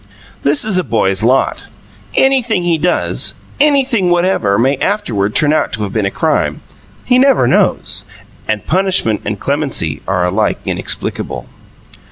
This is a boy's lot: anything he does, anything whatever, may afterward turn out to have been a crime he never knows. And punishment and clemency are alike inexplicable.